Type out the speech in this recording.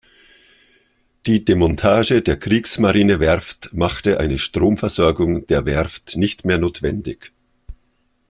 Die Demontage der Kriegsmarinewerft machte eine Stromversorgung der Werft nicht mehr notwendig.